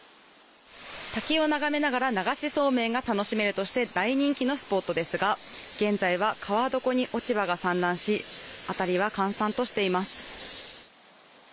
滝を眺めながら流しそうめんが楽しめるとして大人気のスポットですが現在は川床に落ち葉が散乱し辺りは閑散としています。